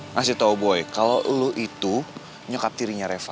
ngasih tau boy kalau lo itu nyekap tirinya reva